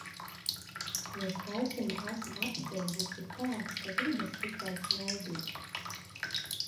No skaistuma esmu apstulbusi tā, ka gribas tikai smaidīt.